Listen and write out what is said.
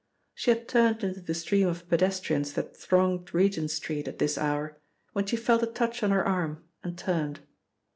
She had turned into the stream of pedestrians that thronged Regent Street at this hour when she felt a touch on her arm, and turned.